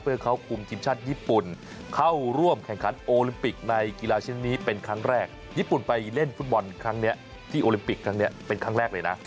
เพื่อเขาคุมทีมชาติญี่ปุ่นเข้าร่วมแข่งขันโอลิมปิกในกีฬาชนิดนี้เป็นครั้งแรก